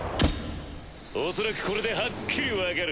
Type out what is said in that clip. おそらくこれではっきり分かる。